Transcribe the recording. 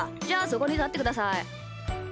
じゃあそこにたってください。